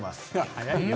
早いよ！